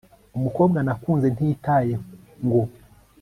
umukobwa nakunze ntitaye ngo